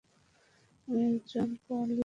আমি একজন কোয়ালিস্ট।